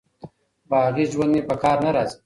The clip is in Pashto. باغي ژوند مي په کار نه راځي